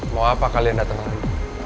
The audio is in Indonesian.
mau apa kalian dateng lagi